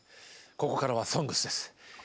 ここからは「ＳＯＮＧＳ」です。